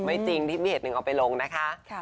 ไม่จริงที่พี่เอกหนึ่งเอาไปลงนะคะ